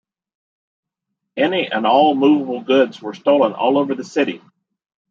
Any and all moveable goods were stolen all over the city.